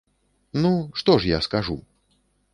Ну, што ж я скажу?